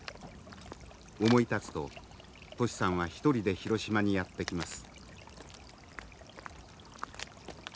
思い立つとトシさんは一人で広島にやって来ます。